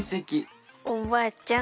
おばあちゃん